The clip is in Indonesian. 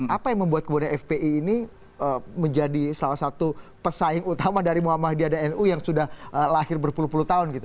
apa yang membuat kemudian fpi ini menjadi salah satu pesaing utama dari muhammadiyah dan nu yang sudah lahir berpuluh puluh tahun gitu